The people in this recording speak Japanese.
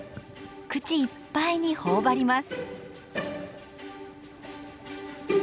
口いっぱいに頬張ります。